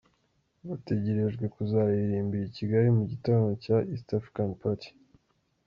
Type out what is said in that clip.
bategerejwe kuzaririmbira i Kigali mu gitaramo cya East African Party.